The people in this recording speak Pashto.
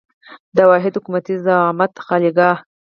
د واحد حکومتي زعامت خالیګاه.